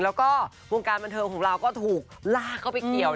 แล้วก็วงการบันเทิงของเราก็ถูกลากเข้าไปเกี่ยว